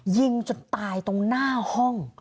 ยิงจนตายตรงหน้าห้อง